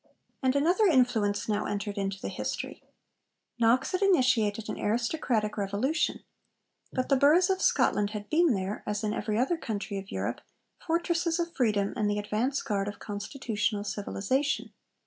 And another influence now entered into the history. Knox had initiated an aristocratic revolution. But the Burghs of Scotland had been there, as in every other country of Europe, fortresses of freedom and the advance guard of constitutional civilisation.